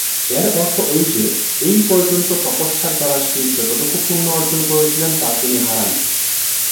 এর অর্থ এই যে, এই পর্যন্ত তপস্যার দ্বারা শিব যতটুকু পুণ্য অর্জন করেছিলেন তা তিনি হারান।